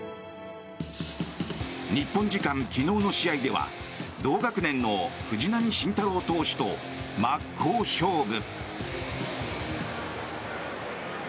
日本時間昨日の試合では同学年の藤浪晋太郎投手と真っ向勝負。